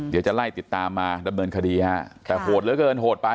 เดี๋ยวจะไล่ติดตามมาดำเนินคดีฮะแต่โหดเหลือเกินโหดไป